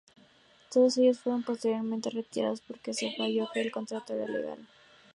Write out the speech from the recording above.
Todos ellos fueron posteriormente retirados porque se falló que el contrato era legal.